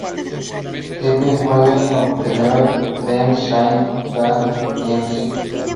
Stephen Holden of the "New York Times" said that "Ms.